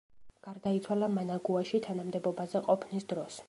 გარდაიცვალა მანაგუაში, თანამდებობაზე ყოფნის დროს.